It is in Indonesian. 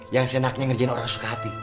yang senangnya ngerjain orang yang suka hati